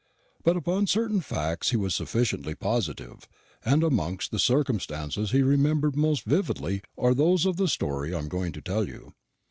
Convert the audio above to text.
But upon certain facts he was sufficiently positive; and amongst the circumstances he remembered most vividly are those of the story I am going to tell you.